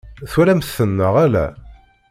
Twalamt-ten neɣ ala?